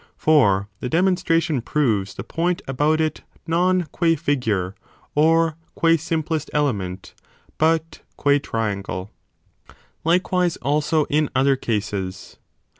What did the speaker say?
For the demon stration proves the point about it not q iia figure or qua simplest element, but qua triangle. Likewise also in other cases.